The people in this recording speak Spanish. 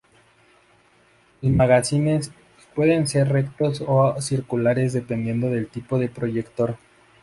Los magazines pueden ser rectos o circulares, dependiendo del tipo de proyector.